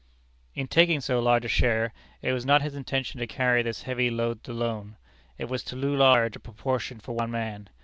In taking so large a share, it was not his intention to carry this heavy load alone. It was too large a proportion for one man.